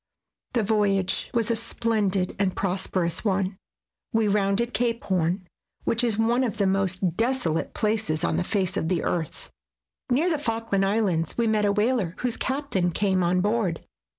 The voyage was a splendid and prosper ous one. We rounded Cape Horn, which is one of the most desolate places on the face of the earth. Near the Falkland Islands we met a whaler, whose captain came on board.